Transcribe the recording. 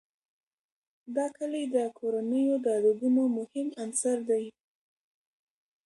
دا کلي د کورنیو د دودونو مهم عنصر دی.